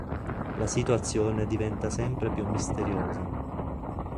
La situazione diventa sempre più misteriosa.